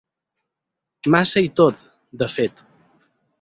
Massa i tot, de fet.